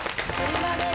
車です。